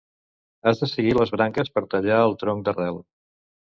Has de seguir les branques per tallar el tronc d'arrel.